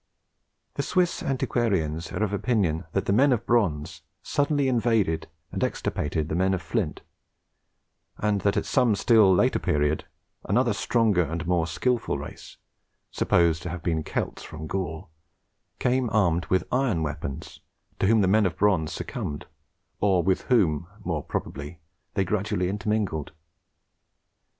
The Swiss antiquarians are of opinion that the men of bronze suddenly invaded and extirpated the men of flint; and that at some still later period, another stronger and more skilful race, supposed to have been Celts from Gaul, came armed with iron weapons, to whom the men of bronze succumbed, or with whom, more probably, they gradually intermingled.